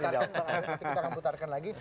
nanti kita akan putarkan lagi